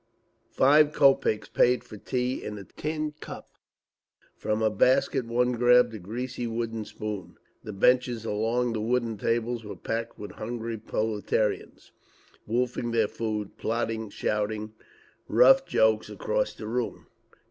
Five kopeks paid for tea in a tin cup. From a basket one grabbed a greasy wooden spoon…. The benches along the wooden tables were packed with hungry proletarians, wolfing their food, plotting, shouting rough jokes across the room….